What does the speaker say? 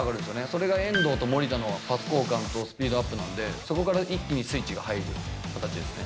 それが遠藤と守田のパス交換とスピードアップなんで、そこから一気にスイッチが入る形ですね。